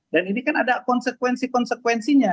dan ini kan ada konsekuensi konsekuensinya